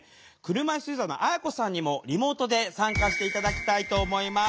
車いすユーザーのあやこさんにもリモートで参加して頂きたいと思います。